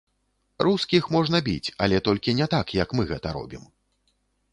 Рускіх можна біць, але толькі не так, як мы гэта робім.